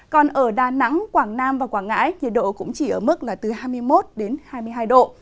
còn ở đà nẵng quảng nam và quảng ngãi nhiệt độ cũng chỉ ở mức là từ hai mươi một hai mươi hai độ